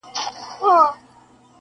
سپرلی خو ښه دی زه مي دا واري فطرت بدلوم,